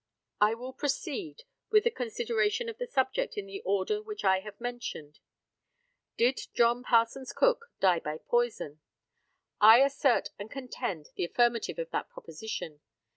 I will proceed with the consideration of the subject in the order which I have mentioned. Did John Parsons Cook die by poison? I assert and contend the affirmative of that proposition.